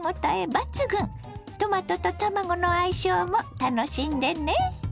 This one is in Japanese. トマトと卵の相性も楽しんでね。